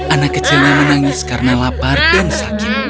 anak kecilnya menangis karena lapar dan sakit